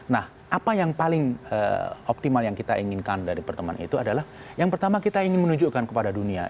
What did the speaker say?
nah apa yang paling optimal yang kita inginkan dari pertemuan itu adalah yang pertama kita ingin menunjukkan kepada dunia